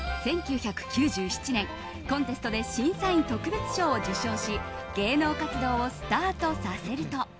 １９９７年、コンテストで審査員特別賞を受賞し芸能活動をスタートさせると。